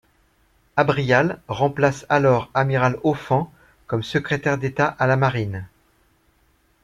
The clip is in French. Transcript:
Abrial remplace alors amiral Auphan comme secrétaire d’État à la Marine.